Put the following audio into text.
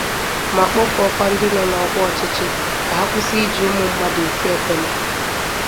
ma kpọkuokwa ndị nọ n'ọkwa ọchịchị ka ha kwụsị iji ụmụ mmadụ eti epele.